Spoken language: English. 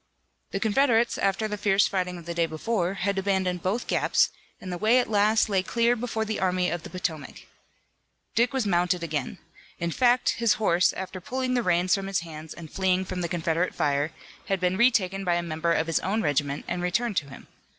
The Confederates, after the fierce fighting of the day before, had abandoned both gaps, and the way at last lay clear before the Army of the Potomac. Dick was mounted again. In fact his horse, after pulling the reins from his hands and fleeing from the Confederate fire, had been retaken by a member of his own regiment and returned to him.